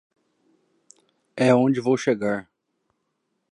É onde vou chegar.